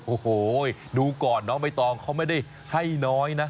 โอ้โหดูก่อนน้องใบตองเขาไม่ได้ให้น้อยนะ